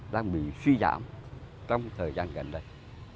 đang bị suy giảm trong thời gian gần đây